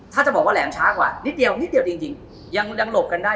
ถ้าจะบอกว่าแหลมช้ากว่านิดเดียวนิดเดียวจริงยังหลบกันได้